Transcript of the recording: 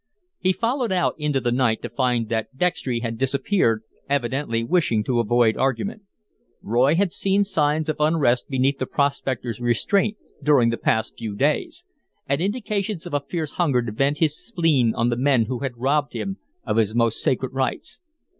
He followed out into the night to find that Dextry had disappeared, evidently wishing to avoid argument. Roy had seen signs of unrest beneath the prospector's restraint during the past few days, and indications of a fierce hunger to vent his spleen on the men who had robbed him of his most sacred rights.